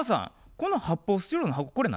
この発泡スチロールの箱これ何？」。